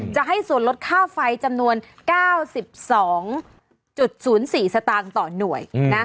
จะให้ส่วนลดค่าไฟจำนวน๙๒๐๔สตางค์ต่อหน่วย